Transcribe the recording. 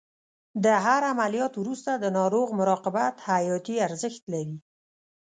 د هر عملیات وروسته د ناروغ مراقبت حیاتي ارزښت لري.